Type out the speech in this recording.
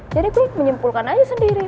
jadi gue menyimpulkan aja sendiri